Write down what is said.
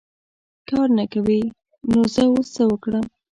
کار نه کوې ! نو زه اوس څه وکړم .